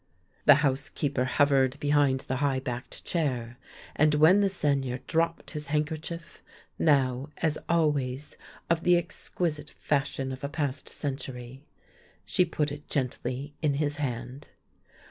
The housekeeper hovered behind the high backed chair, and when the Seigneur dropped his handkerchief — now, as always, of the exquisite fashion of a past cen tury — she put it gently in his hand.